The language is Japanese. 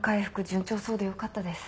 順調そうでよかったです。